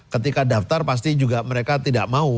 ketika daftar pasti juga mereka tidak mau